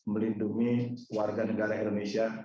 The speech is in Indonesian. melindungi warga negara indonesia